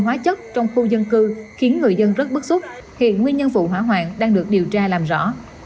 hóa chất trong khu dân cư khiến người dân rất bức xúc hiện nguyên nhân vụ hỏa hoạn đang được điều tra làm rõ